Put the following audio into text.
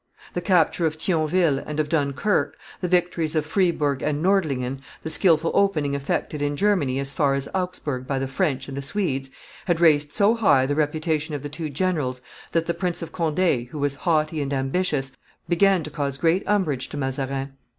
The capture of Thionville and of Dunkerque, the victories of Friburg and Nordlingen, the skilful opening effected in Germany as far as Augsburg by the French and the Swedes, had raised so high the reputation of the two generals, that the Prince of Conde, who was haughty and ambitious, began to cause great umbrage to Mazarin.